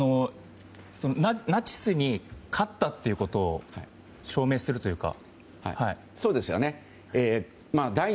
ナチスに勝ったということを証明するというか。